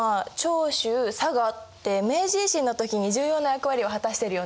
佐賀って明治維新の時に重要な役割を果たしてるよね？